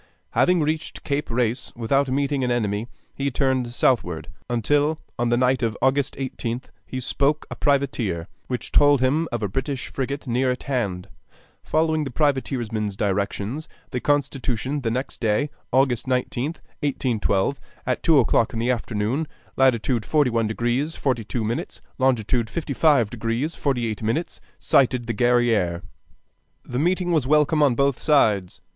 Having reached Cape Race without meeting an enemy, he turned southward, until on the night of August 18th he spoke a privateer, which told him of a British frigate near at hand. Following the privateersman's directions, the Constitution the next day, August 19th, [1812,] at two o'clock in the afternoon, latitude 41 deg. 42 min., longitude 55 deg. 48 min., sighted the Guerrière. The meeting was welcome on both sides.